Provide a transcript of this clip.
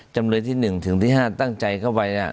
จำเลยที่๑ถึงที่๕ตั้งใจเข้าไป